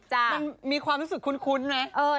มันมีความรู้สึกคุ้นไหม